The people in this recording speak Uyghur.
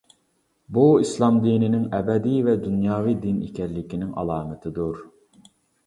بۇ ئىسلام دىنىنىڭ ئەبەدىي ۋە دۇنياۋى دىن ئىكەنلىكىنىڭ ئالامىتىدۇر.